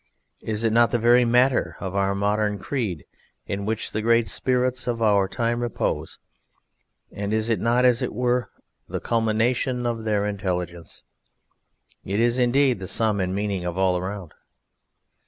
Is it not the very matter of our modern creed in which the great spirits of our time repose, and is it not, as it were, the culmination of their intelligence? It is indeed the sum and meaning of all around!